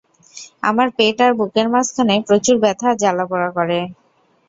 আমার পেট আর বুকের মাঝখানে প্রচুর ব্যাথা আর জ্বালাপোড়া করে।